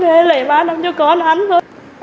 về lấy bá nắm cho con ăn thôi